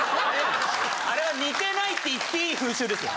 あれは似てないって言っていい風習ですよ。